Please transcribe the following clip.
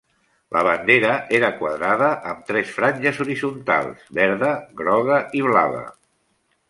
La bandera era quadrada amb tres franges horitzontals: verda, groga i blava.